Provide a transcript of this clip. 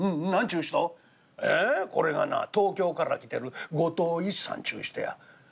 「えこれがな東京から来てる後藤一山ちゅう人や」。